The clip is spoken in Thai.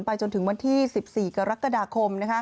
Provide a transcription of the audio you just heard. จนถึงวันที่๑๔กรกฎาคม